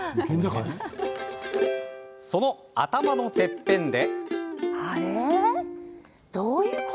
その頭のてっぺんで。